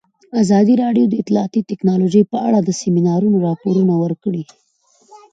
ازادي راډیو د اطلاعاتی تکنالوژي په اړه د سیمینارونو راپورونه ورکړي.